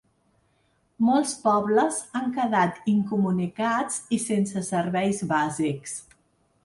Molts pobles han quedat incomunicats i sense serveis bàsics.